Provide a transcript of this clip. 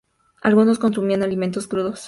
Algunos consumían alimentos crudos.